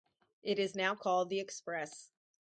It is now called the Express.